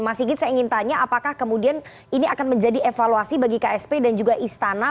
mas sigit saya ingin tanya apakah kemudian ini akan menjadi evaluasi bagi ksp dan juga istana